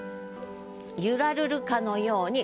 揺らるるかのように。